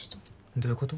どういうこと？